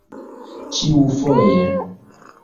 ĉiufoje